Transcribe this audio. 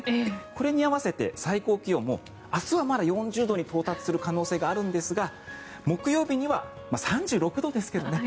これに合わせて最高気温も明日はまだ４０度に到達する可能性があるんですが木曜日には３６度ですけどね